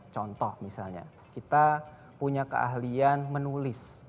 contoh misalnya kita punya keahlian menulis